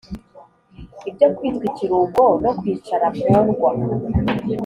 Ibyo kwitwa ikirumboNo kwicara mpondwa